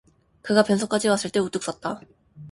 그가 변소까지 왔을 때 우뚝 섰다.